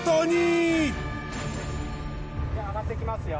じゃあ上がってきますよ。